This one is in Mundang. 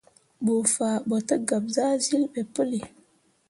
Bə faa ɓo tə gab zahsyil ɓe pəli.